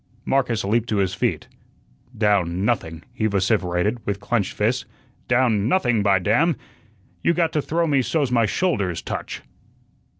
Marcus leaped to his feet. "Down nothing," he vociferated, with clenched fists. "Down nothing, by damn! You got to throw me so's my shoulders touch."